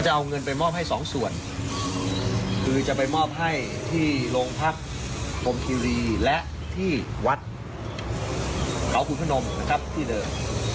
จะเอาเงินไปมอบให้สองส่วนคือจะไปมอบให้ที่โรงพักพรมคิรีและที่วัดเขาขุนพนมนะครับที่เดิม